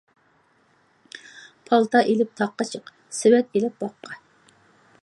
پالتا ئېلىپ تاغقا چىق، سېۋەت ئېلىپ باغقا.